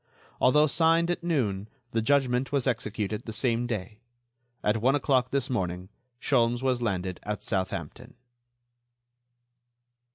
Although signed at noon, the judgment was executed the same day. At one o'clock this morning Sholmes was landed at Southampton."